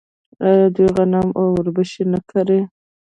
آیا دوی غنم او وربشې نه کري؟